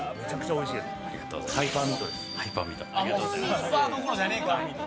スーパーどころじゃねえと。